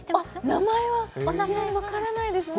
名前は分からないですね。